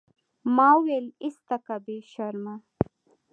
ما وويل ايسته که بې شرمه.